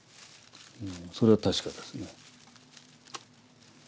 それは確かですね。